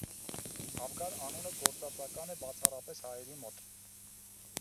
Աբգար անունը գործածական է բացառապես հայերի մոտ։